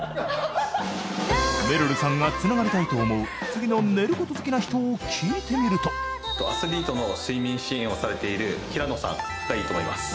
めるるさんが繋がりたいと思う次の寝ること好きな人を聞いてみるとアスリートの睡眠支援をされているヒラノさんがいいと思います